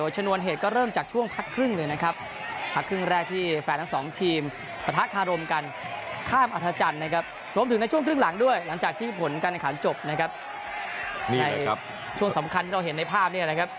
ช่วงสำคัญที่เราเห็นในภาพนี้ครับ